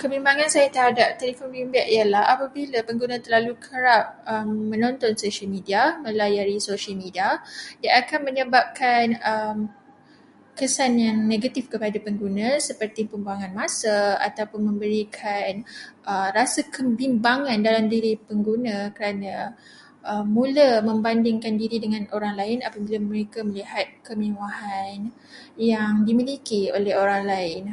Kebimbangan saya terhadap telefon bimbit ialah apabila pengguna terlalu kerap menonton sosial media, melayari sosial media, ia akan menyebabkan kesan yang negatif kepada pengguna seperti pembuangan masa atau memberikan rasa kebimbangan dalam diri pengguna apabila mula membandingkan diri dengan orang lain apabila mereka melihat kemewahan yang dimiliki oleh orang lain.